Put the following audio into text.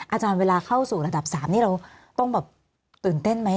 อาจารย์เวลาเข้าสู่ระดับ๓นี่เราต้องแบบตื่นเต้นไหม